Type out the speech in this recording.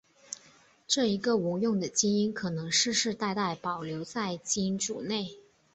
这一个无用的基因可能世世代代保留在基因组内。